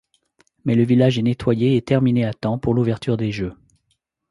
Mais le village est nettoyé et terminé à temps pour l'ouverture des jeux.